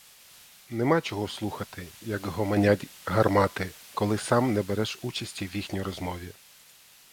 Нема чого слухати, як гомонять гармати, коли сам не береш участі в їхній розмові.